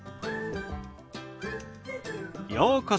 ようこそ。